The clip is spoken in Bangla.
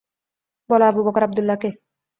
বলো, আবু বকর আবদুল্লাহ কে?